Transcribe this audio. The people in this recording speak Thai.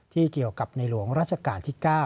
เกี่ยวกับในหลวงราชการที่๙